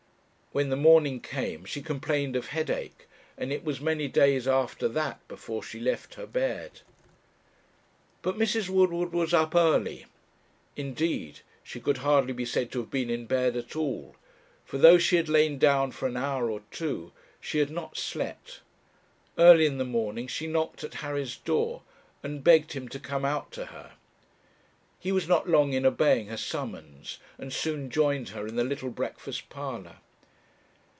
When the morning came, she complained of headache, and it was many days after that before she left her bed. But Mrs. Woodward was up early. Indeed, she could hardly be said to have been in bed at all; for though she had lain down for an hour or two, she had not slept. Early in the morning she knocked at Harry's door, and begged him to come out to her. He was not long in obeying her summons, and soon joined her in the little breakfast parlour.